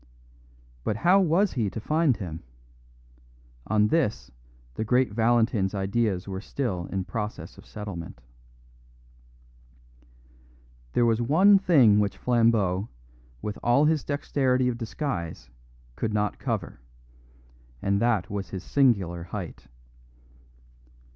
But how was he to find him? On this the great Valentin's ideas were still in process of settlement. There was one thing which Flambeau, with all his dexterity of disguise, could not cover, and that was his singular height.